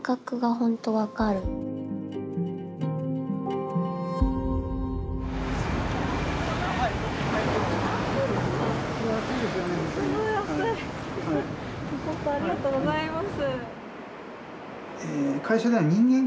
本当ありがとうございます。